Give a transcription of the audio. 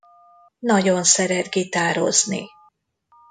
Nagyon szeret gitározni.